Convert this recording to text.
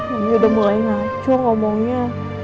dia udah mulai ngacur ngomongnya